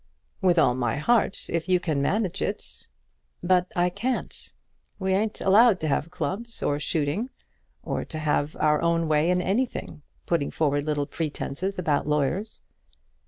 "With all my heart, if you can manage it." "But I can't; we ain't allowed to have clubs, or shooting, or to have our own way in anything, putting forward little pretences about lawyers."